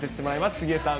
杉江さん。